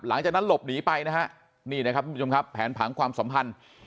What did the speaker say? หลังจากนั้นหลบหนีไปนะฮะนี่นะครับทุกผู้ชมครับแผนผังความสัมพันธ์